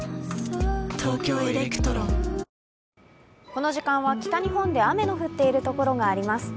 この時間は北日本で雨の降っているところがあります。